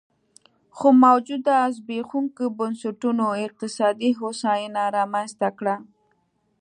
خو موجوده زبېښونکو بنسټونو اقتصادي هوساینه رامنځته کړه